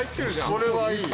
これはいい！